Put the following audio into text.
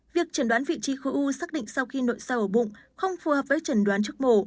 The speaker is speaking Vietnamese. việc chẩn đoán vị trí khối u xác định sau khi nội so ở bụng không phù hợp với trần đoán trước mổ